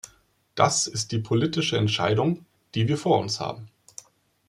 Das ist die politische Entscheidung, die wir vor uns haben.